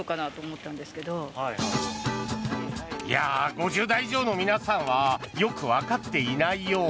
５０代以上の皆さんはよく分かってはいないよう。